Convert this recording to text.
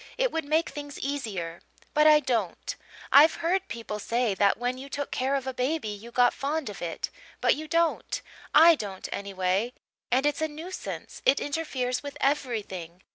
It would make things easier. But I don't. I've heard people say that when you took care of a baby you got fond of it but you don't I don't, anyway. And it's a nuisance it interferes with everything.